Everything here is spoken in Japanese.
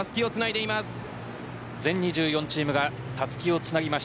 ２４チームがたすきをつないでいます。